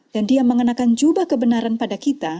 dan dia mengenakan jubah kebenaran pada kita